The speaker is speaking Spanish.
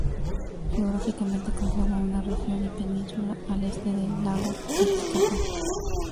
Geográficamente conforma una región y península al este del lago Titicaca.